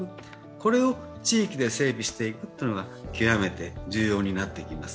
これを地域で整備していくというのが極めて重要になってきます。